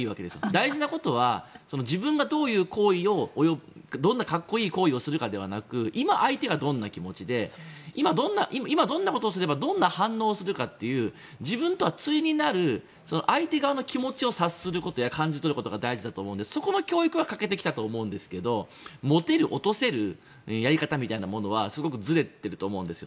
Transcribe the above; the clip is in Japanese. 大事なことは自分がどういうかっこいい行為をするかではなくて今、相手がどんな気持ちで今、どんなことをすればどんな反応をするかっていう自分とは対になる相手側の気持ちを察することや感じ取ることが大事だと思うんでそこの教育は欠けてきたと思うんですがモテる、落とせるやり方みたいなのはすごくずれていると思うんです。